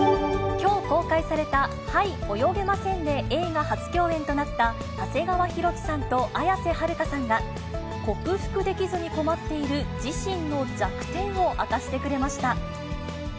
きょう公開された、はい、泳げませんで、映画初共演となった長谷川博己さんと綾瀬はるかさんが、克服できずに困っている自身の弱点を明かしてくれました。